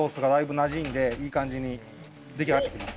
なじんでいい感じに出来上がってきています